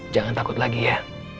jangan takut lagi ya